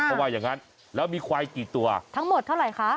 เพราะว่าอย่างนั้นแล้วมีควายกี่ตัวทั้งหมดเท่าไหร่คะ